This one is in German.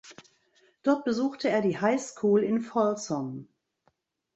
Dort besuchte er die Highschool in Folsom.